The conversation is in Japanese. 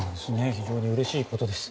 非常にうれしいことです。